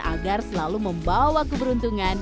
agar selalu membawa keberuntungan